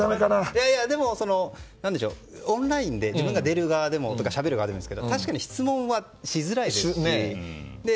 でも、オンラインで自分が出る側、しゃべる側でもいいんですけど確かに質問はしづらいですし。